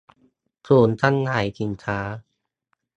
ศูนย์จำหน่ายสินค้า